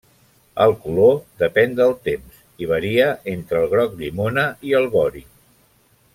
El color depèn del temps i varia entre el groc llimona i el vori.